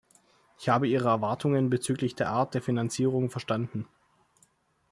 Ich habe Ihre Erwartungen bezüglich der Art der Finanzierung verstanden.